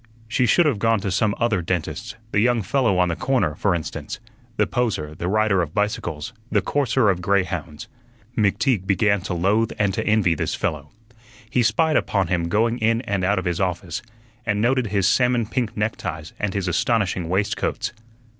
She should have gone to some other dentist; the young fellow on the corner, for instance, the poser, the rider of bicycles, the courser of grey hounds. McTeague began to loathe and to envy this fellow. He spied upon him going in and out of his office, and noted his salmon pink neckties and his astonishing waistcoats.